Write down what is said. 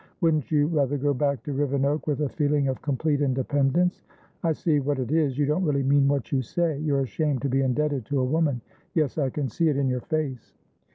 Wouldn't you rather go back to Rivenoak with a feeling of complete independence?I see what it is. You don't really mean what you say; you're ashamed to be indebted to a woman. Yes, I can see it in your face."